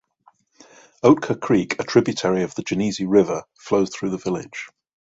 Oatka Creek, a tributary of the Genesee River, flows through the village.